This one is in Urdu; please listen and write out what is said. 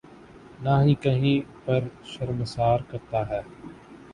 نہ ہی کہیں پر شرمسار کرتا ہے۔